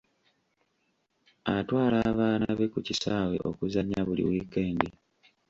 Atwala abaana be ku kisaawe okuzannya buli wiikendi.